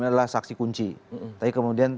adalah saksi kunci tapi kemudian